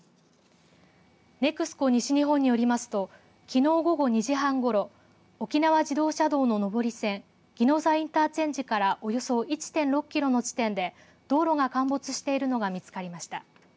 西日本によりますときのう午後２時半ごろ、沖縄自動車道の上り線、宜野座インターチェンジからおよそ１．６キロの地点で道路が陥没しているのが見つかりました。